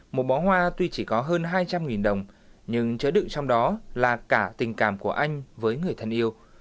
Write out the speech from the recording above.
một bó hoa tuy chỉ có hơn hai trăm linh đồng nhưng chứa đựng trong đó là cả tình cảm của anh với người thân yêu